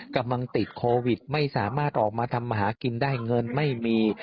กำลังติดโควิดไม่สามารถออกมาทำมาหากินได้เงินไม่มี